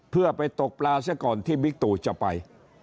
เพื่อไปตกปลาซะก่อนที่บิ๊กตูจะไป